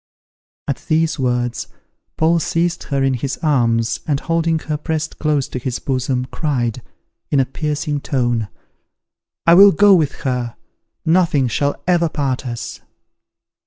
At these words Paul seized her in his arms, and, holding her pressed close to his bosom, cried, in a piercing tone, "I will go with her, nothing shall ever part us."